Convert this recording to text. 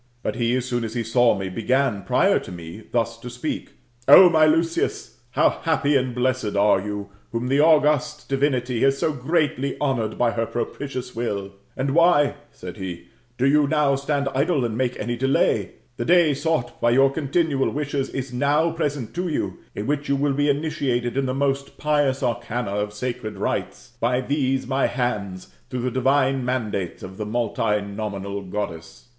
But he, as soon as he saw me, bepan, prior to me, thus to speak :'' O my Lucius, how happy and blessed are you, whom the august divinity has so greatly honoured by her propitious will ! And why," said he, " do you now stand idle, and make any delay ?'^ The day sought for by your continual wishes is now present to '^ you, in which you will be initiated in the most pious arcana of sacred rites, by these my hands, through the divine mandates of ^ the multinominal Goddess."